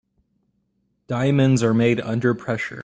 Diamonds are made under pressure.